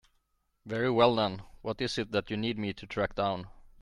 Very well then, what is it that you need me to track down?